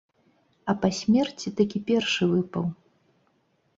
А па смерці такі першы выпаў.